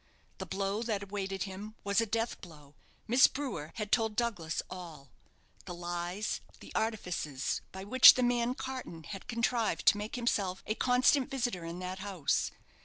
The blow that awaited him was a death blow. Miss Brewer had told Douglas all: the lies, the artifices, by which the man Carton had contrived to make himself a constant visitor in that house.